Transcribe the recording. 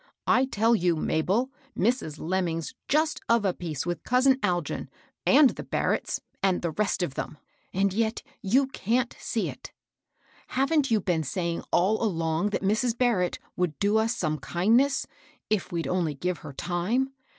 I tell you, Mabel, Mrs. Lemming's just of a piece with cousin Algin, and the Barretts, and the rest of them ; and yet you can't see it I Haven't you been saying all along that Mrs. Bar rett would do us some kindness, if we'd only give her time